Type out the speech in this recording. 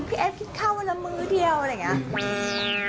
พี่แอฟคิดข้าววันละมื้อเดียวอะไรอย่างนี้